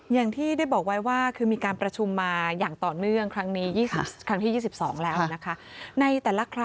อย่างที่ได้บอกไว้ว่าคือมีการประชุมมาอย่างต่อเนื่องครั้งนี้ครั้งที่๒๒แล้วนะคะ